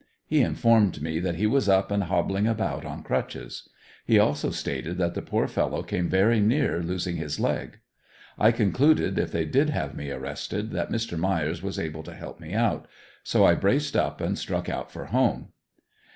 He informed me that he was up and hobbling about on crutches. He also stated that the poor fellow came very near losing his leg. I concluded if they did have me arrested that Mr. Myers was able to help me out, so I braced up and struck out for home.